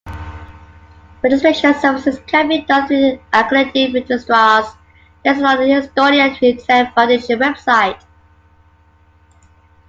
Registration services can be done through accredited registrars listed on Estonian Internet Foundation website.